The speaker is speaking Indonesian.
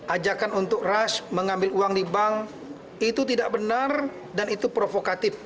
ajakan untuk rush mengambil uang di bank itu tidak benar dan itu provokatif